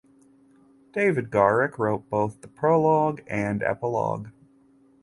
David Garrick wrote both the prologue and epilogue.